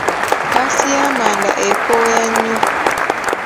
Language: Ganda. Ppaasi y'amanda ekooya nnyo.